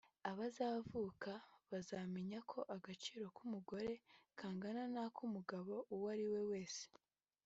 abazavuka bazamenya ko agaciro k’umugore kangana n’ak’umugabo uwo ariwe wese